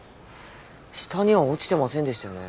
下には落ちてませんでしたよね？